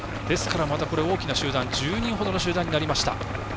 ですから、また大きな集団１０人ほどの集団になりました。